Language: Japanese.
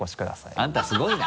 あんたすごいな。